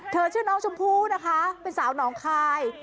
ชื่อน้องชมพู่นะคะเป็นสาวหนองคาย